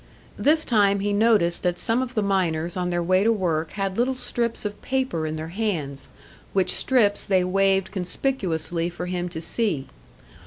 This time he noticed that some of the miners on their way to work had little strips of paper in their hands, which strips they waved conspicuously for him to see.